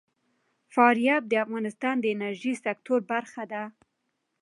فاریاب د افغانستان د انرژۍ سکتور برخه ده.